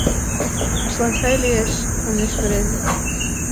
Чыла сай лиеш, — манеш рвезе.